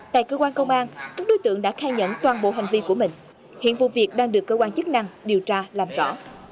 tại cơ quan công an các đối tượng đã khai nhận toàn bộ hành vi của mình hiện vụ việc đang được cơ quan chức năng điều tra làm rõ